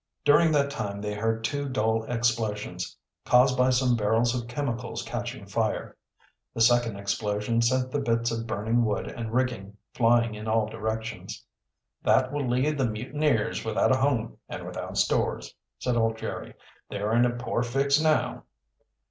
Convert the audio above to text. During that time they heard two dull explosions, caused by some barrels of chemicals catching fire. The second explosion sent the bits of burning wood and rigging flying in all directions. "That will leave the mutineers without a home and without stores," said old Jerry. "They're in a poor fix now."